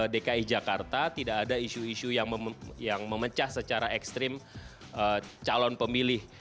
dki jakarta tidak ada isu isu yang memecah secara ekstrim calon pemilih